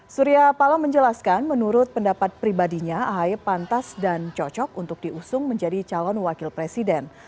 surya paloh menjelaskan menurut pendapat pribadinya ahy pantas dan cocok untuk diusung menjadi calon wakil presiden